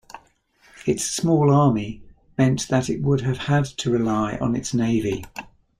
Its small army meant that it would have had to rely on its navy.